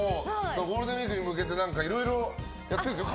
ゴールデンウィークに向けていろいろやってるんですよ。